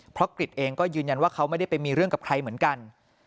เพราะกริจเองก็ยืนยันว่าเขาไม่ได้ไปมีเรื่องกับใครเหมือนกัน